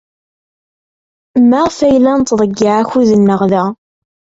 Maɣef ay la nettḍeyyiɛ akud-nneɣ da?